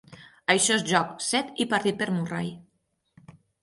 Això és joc, set i partit per Murray.